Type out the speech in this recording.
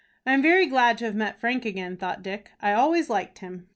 "I am very glad to have met Frank again," thought Dick: "I always liked him."